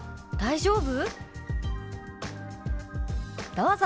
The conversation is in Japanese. どうぞ。